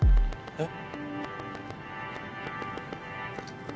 えっ？